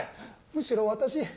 むしろ私。